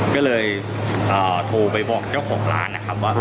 ก็เลยโทรไปบอกเจ้าของร้านนะครับว่า